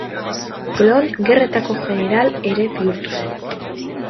Klon Gerretako jeneral ere bihurtu zen.